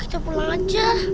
kita pulang aja